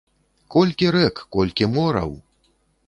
Колькі рэк, колькі мораў!